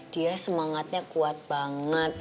dia semangatnya kuat banget